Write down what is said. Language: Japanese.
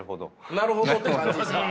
なるほどって感じですか。